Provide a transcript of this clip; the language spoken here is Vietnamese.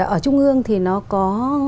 ở trung ương thì nó có